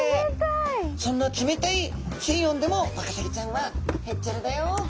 そんな冷たい水温でもワカサギちゃんは「へっちゃらだよ」